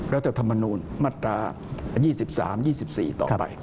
รัฐธรรมนุนมาตรา๒๓๒๔ต่อไปครับ